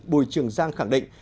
bùi trường giang khẳng định